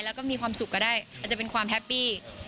แล้วก็มีความสุขก็ได้อาจจะเป็นความแฮปปี้